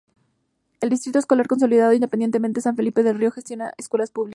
El Distrito Escolar Consolidado Independiente San Felipe Del Rio gestiona escuelas públicas.